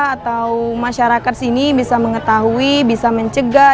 atau masyarakat sini bisa mengetahui bisa mencegah